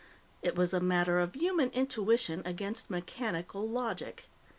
It was a matter of human intuition against mechanical logic.